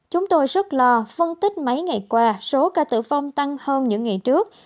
chúng tôi rất lo phân tích mấy ngày qua số ca tử vong tăng hơn những ngày trước